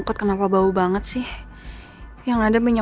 harus bersalah aja